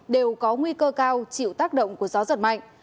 đều có nguy cơ cao chịu tác động của gió giật mạnh